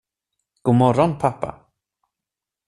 God morgon, pappa.